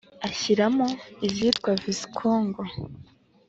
Ashyira mo izitwa Visikongo